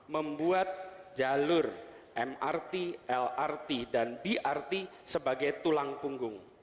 membuat jalur mrt lrt dan brt sebagai tulang punggung